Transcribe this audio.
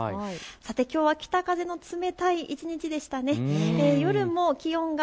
きょうは北風が冷たい一日でしたね。